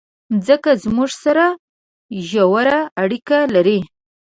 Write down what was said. مځکه زموږ سره ژوره اړیکه لري.